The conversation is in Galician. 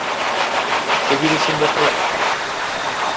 –¿Seguides sen vos falar?